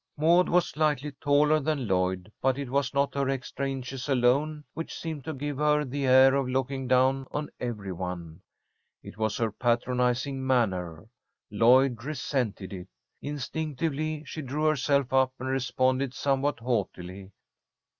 Maud was slightly taller than Lloyd, but it was not her extra inches alone which seemed to give her the air of looking down on every one. It was her patronizing manner. Lloyd resented it. Instinctively she drew herself up and responded somewhat haughtily.